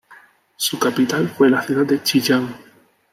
Su capital fue la ciudad de Chillán.